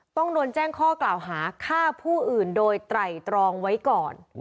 ต้องโดนแจ้งข้อกล่าวหาฆ่าผู้อื่นโดยไตรตรองไว้ก่อน